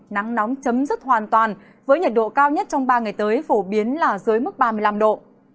nắng nóng chấm dứt hoàn toàn với nhiệt độ cao nhất trong ba ngày tới phổ biến là dưới mức ba mươi năm độ